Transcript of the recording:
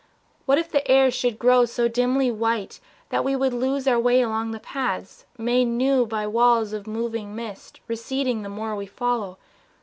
What if the air should grow so dimly white That we would lose our way along the paths Made new by walls of moving mist receding The more we follow.